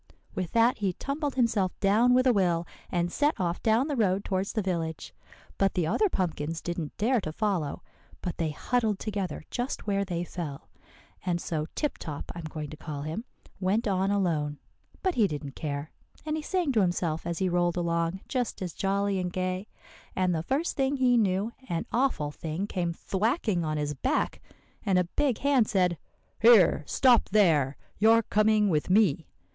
With that he tumbled himself down with a will, and set off down the road towards the village. But the other pumpkins didn't dare to follow, but they huddled together just where they fell. And so Tip Top, I'm going to call him, went on alone. But he didn't care, and he sang to himself as he rolled along just as jolly and gay; and the first thing he knew, an awful thing came thwacking on his back, and a big hand said, 'Here, stop there! you're coming with me.